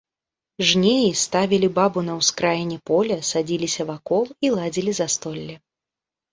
Жнеі ставілі бабу на ўскраіне поля, садзіліся вакол і ладзілі застолле.